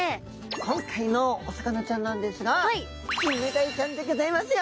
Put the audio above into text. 今回のお魚ちゃんなんですがキンメダイちゃんでギョざいますよ。